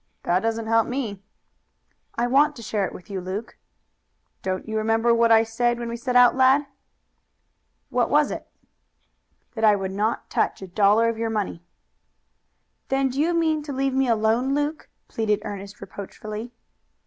"That doesn't help me." "I want to share it with you, Luke." "Don't you remember what I said when we set out, lad?" "What was it?" "That I would not touch a dollar of your money." "Then do you mean to leave me alone, Luke?" pleaded Ernest reproachfully.